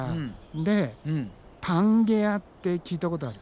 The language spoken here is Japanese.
でパンゲアって聞いたことある？